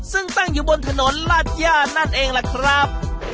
ซึ่งตั้งอยู่บนถนนลาดย่านั่นเองล่ะครับ